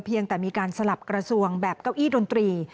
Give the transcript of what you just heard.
ยังแต่มีการสลับกระทรวงแบบเก้าอี้ดนตรี